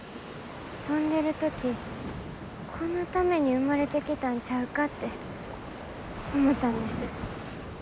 飛んでる時このために生まれてきたんちゃうかって思ったんです。